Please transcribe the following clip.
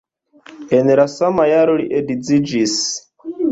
En la sama jaro li edziĝis.